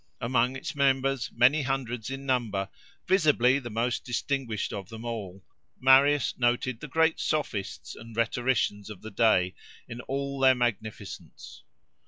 Among its members many hundreds in number, visibly the most distinguished of them all, Marius noted the great sophists or rhetoricians of the day, in all their magnificence.